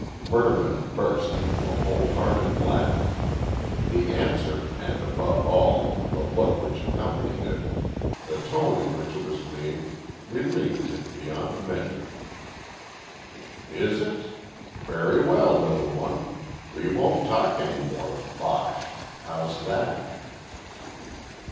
Mervyn burst into a wholehearted laugh. The answer, and, above all, the look which accompanied it, the tone in which it was made, relieved him beyond measure. "Is it? Very well, little one. We won't talk any more bosh. How's that?"